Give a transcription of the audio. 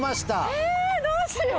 えどうしよう！